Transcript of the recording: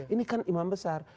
ini kan imam besar